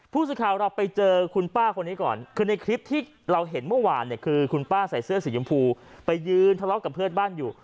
ผู้สื่อข่าวเราไปเจอคุณป้าคนนี้ก่อนคือในคลิปที่เราเห็นเมื่อวานเนี่ยคือคุณป้าใส่เสื้อสีชมพูไปยืนทะเลาะกับเพื่อนบ้านอยู่